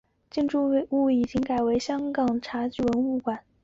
现在这座建筑物已改为香港茶具文物馆。